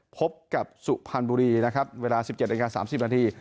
พบกับสุพรรณบุรีนะครับเวลา๑๗นาที๓๐นาที